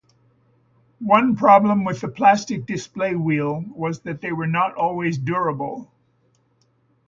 One problem with the plastic daisy wheel was that they were not always durable.